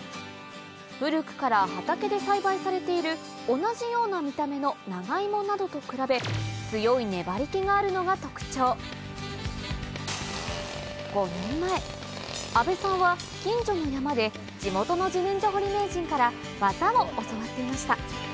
古くから畑で栽培されている同じような見た目のナガイモなどと比べ強い粘り気があるのが特徴阿部さんは近所の山で地元の自然薯掘り名人から技を教わっていました